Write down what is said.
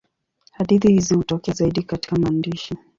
Hadithi hizi hutokea zaidi katika maandishi.